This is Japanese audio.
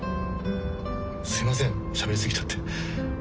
すいませんしゃべりすぎちゃって。